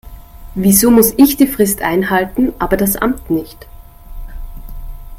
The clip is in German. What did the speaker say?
Wieso muss ich die Frist einhalten, aber das Amt nicht.